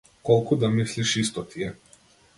Колку да мислиш исто ти е.